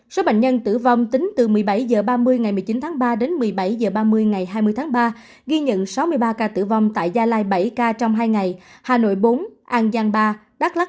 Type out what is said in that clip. số bệnh nhân tử vong tính từ một mươi bảy h ba mươi ngày một mươi chín tháng ba đến một mươi bảy h ba mươi ngày hai mươi tháng ba ghi nhận sáu mươi ba ca tử vong tại gia lai bảy ca trong hai ngày hà nội bốn an giang ba đắk lắc ba đồng nai ba kiên giang ba phú thọ ba trà vinh ba